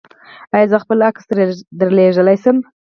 ایا زه خپل عکس درلیږلی شم؟